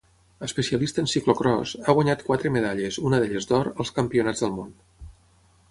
Especialista en ciclocròs, ha guanyat quatre medalles, una d'elles d'or, als Campionats del món.